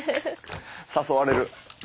誘われる。